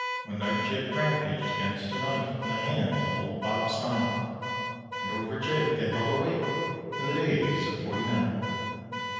One night Jake rampaged against a knife In the hands of old Bob Sine, And over Jake they held a wake In the days of Forty Nine.